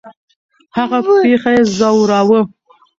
هغه پېښه یې ځوراوه.